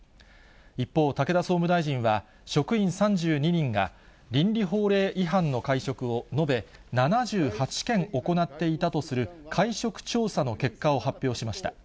一方、武田総務大臣は、職員３２人が倫理法令違反の会食を延べ７８件行っていたとする会食調査の結果を発表しました。